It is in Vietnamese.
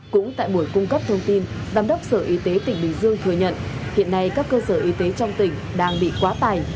cũng tại buổi cung cấp thông tin giám đốc sở y tế tỉnh bình dương thừa nhận hiện nay các cơ sở y tế trong tỉnh đang bị quá tài